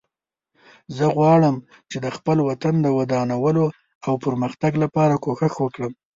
زه غواړم چې د خپل وطن د ودانولو او پرمختګ لپاره کوښښ وکړم